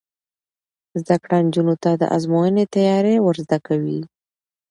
زده کړه نجونو ته د ازموینې تیاری ور زده کوي.